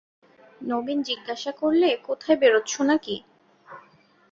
নবীন জিজ্ঞাসা করলে, কোথাও বেরোচ্ছ নাকি?